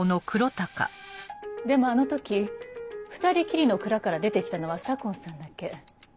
でもあの時２人きりの蔵から出て来たのは左紺さんだけ。